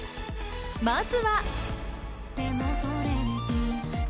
まずは。